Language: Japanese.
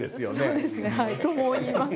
そうですねはいと思います。